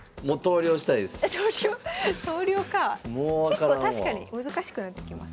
結構確かに難しくなってきますね。